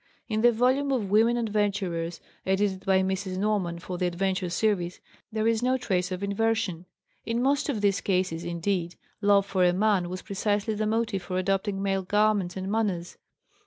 In the volume of Women Adventurers, edited by Mrs. Norman for the Adventure Series, there is no trace of inversion; in most of these cases, indeed, love for a man was precisely the motive for adopting male garments and manners.